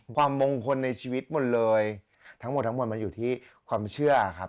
ความมงคลในชีวิตหมดเลยทั้งหมดทั้งหมดมันอยู่ที่ความเชื่อครับ